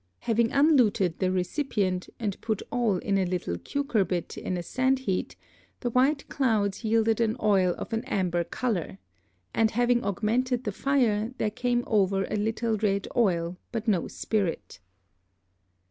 Having unluted the Recipient, and put all in a little Cucurbit in a Sand Heat, the white Clouds yielded an Oil of an Amber Colour; and having augmented the Fire, there came over a little red Oil, but no Spirit.